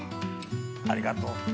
ありがとう。